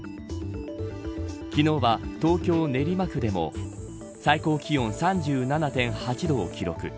昨日は、東京、練馬区でも最高気温３７．８度を記録。